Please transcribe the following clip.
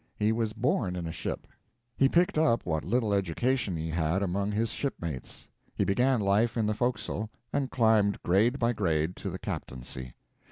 He was born in a ship; he picked up what little education he had among his shipmates; he began life in the forecastle, and climbed grade by grade to the captaincy.